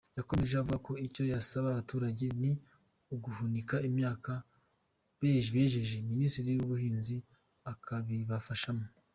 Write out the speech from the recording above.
Yakomeje avuga ko icyo basaba abaturage ni uguhunika imyaka bejeje, Minisiteri y’Ubuhinzi ikabibafashamo.